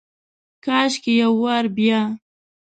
کاشکي یو وارې بیا،